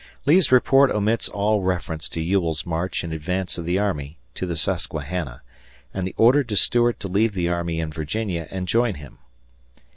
Lee's report omits all reference to Ewell's march in advance of the army to the Susquehanna and the order to Stuart to leave the army in Virginia and join him.